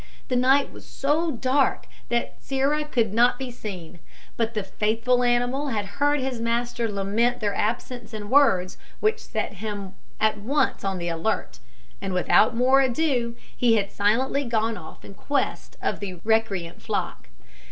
The night was so dark that Sirrah could not be seen, but the faithful animal had heard his master lament their absence in words which set him at once on the alert, and without more ado he had silently gone off in quest of the recreant flock.